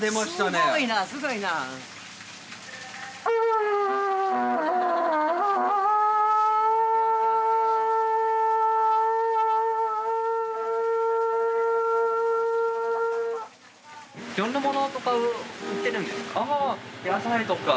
どんなものとかを売ってるんですか？